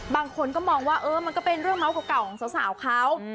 บางคนก็มองว่าเออมันก็เป็นเรื่องเมาส์เก่าของสาวเขา